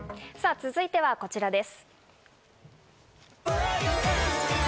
続いてはこちらです。